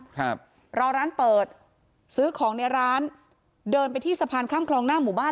ครับรอร้านเปิดซื้อของในร้านเดินไปที่สะพานข้ามคลองหน้าหมู่บ้าน